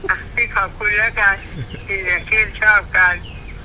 อ่ะพี่ขอบคุณแล้วก็ชอบกัน